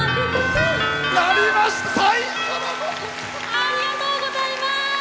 ありがとうございます！